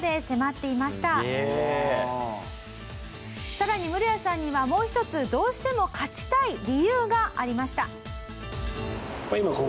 さらにムロヤさんにはもう一つどうしても勝ちたい理由がありました。